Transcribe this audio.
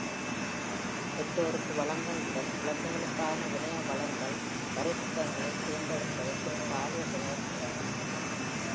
பெற்றோருக்கு வளங்கள் முதல் குழந்தைகளுக்கான இணைய வளங்கள் வரை புத்தகங்களைத் தேர்ந்தெடுப்பது குறித்த ஆலோசனைகள் உள்ளன.